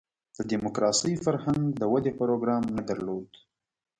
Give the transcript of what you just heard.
د دیموکراسۍ فرهنګ د ودې پروګرام نه درلود.